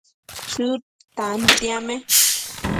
Chëd tantiame